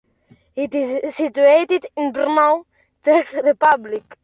It is situated in Brno, Czech Republic.